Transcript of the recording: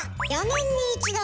４年に１度。